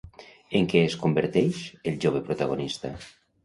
En què es converteix el jove protagonista?